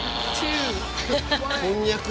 こんにゃく？